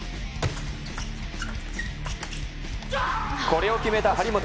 これを決めた張本。